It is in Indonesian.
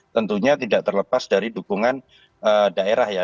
tentunya tidak terlepas dari dukungan daerah ya